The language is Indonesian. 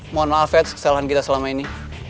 mohon maafkan kesalahan kita selama ini